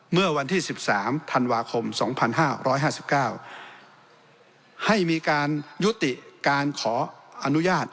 เมื่อวันที่สิบสามธันวาคมสองพันห้าร้อยห้าสิบเก้าให้มีการยุติการขออนุญาต